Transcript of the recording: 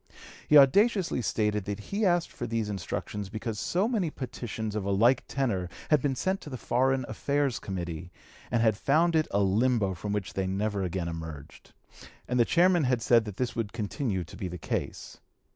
He audaciously stated that he asked for these instructions because so many petitions of a like tenor had been sent to the Foreign Affairs Committee, and had found it a limbo from which they never again emerged, and the chairman had said that this would continue to be the case.